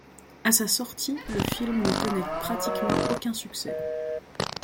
À sa sortie le film ne connait pratiquement aucun succès.